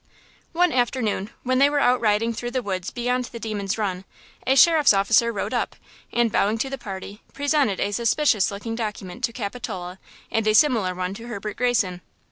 One afternoon when they were out riding through the woods beyond the Demon's Run, a Sheriff's officer rode up, and bowing to the party, presented a suspicious looking document to Capitola and a similar one to Herbert Greyson.